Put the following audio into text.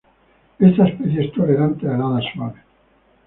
Esta especie es tolerante a heladas suaves.